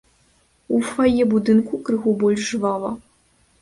У фае будынка крыху больш жвава.